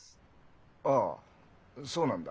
ああそうなんだ。